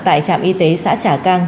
tại trạm y tế xã trà cang